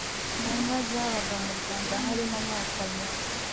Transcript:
mu nka zabaga mu Rwanda harimo amoko abiri